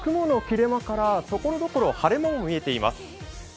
雲の切れ間からところどころ晴れ間も見えています。